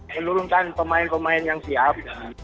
menurunkan pemain pemain yang siap